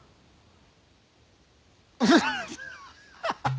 ハハハハ！